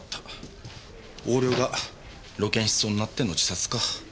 横領が露見しそうになっての自殺か。